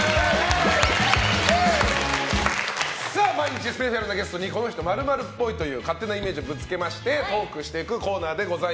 毎日スペシャルなゲストにこの人○○っぽいという勝手なイメージをぶつけてトークしていくコーナーです。